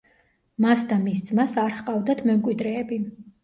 მას და მის ძმას არ ჰყავდათ მემკვიდრეები.